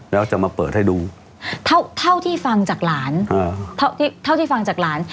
แล้วจะมาเปิดให้ดูเท่าเท่าที่ฟังจากหลานเท่าที่ฟังจากหลาน